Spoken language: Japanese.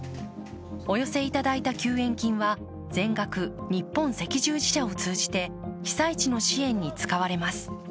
お寄せいただいた救援金は全額、日本赤十字社を通じて被災地の支援に使われます。